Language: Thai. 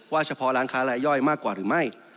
เฉพาะร้านค้ารายย่อยมากกว่าหรือไม่